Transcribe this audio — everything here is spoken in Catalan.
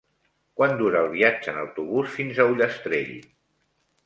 Quant dura el viatge en autobús fins a Ullastrell?